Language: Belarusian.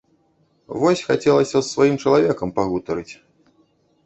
Вось хацелася з сваім чала векам пагутарыць.